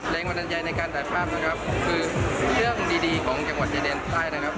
แรงบันดาลใจในการถ่ายภาพนะครับคือเรื่องดีดีของจังหวัดชายแดนใต้นะครับ